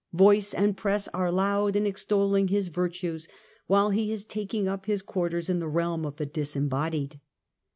Voice and press are loud in extolling his virtues, while he is taking up his quarters in the realm of the disembodied.